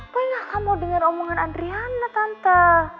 boy gak akan mau denger omongan adriana tante